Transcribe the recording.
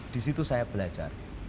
di situ saya belajar